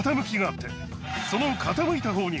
その傾いた方に。